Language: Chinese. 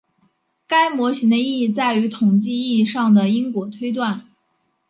该模型的意义在于统计意义上的因果推断。